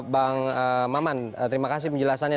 bang maman terima kasih penjelasannya